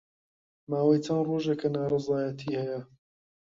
ماوەی چەند ڕۆژێکە ناڕەزایەتی ھەیە